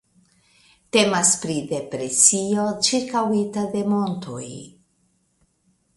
Temas pri depresio ĉirkaŭita de montoj.